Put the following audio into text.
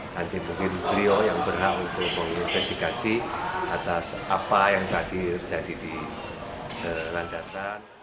nanti mungkin beliau yang berhak untuk menginvestigasi atas apa yang tadi terjadi di landasan